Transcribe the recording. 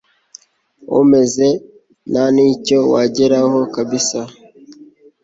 umeze ntanicyo wageraho kabsa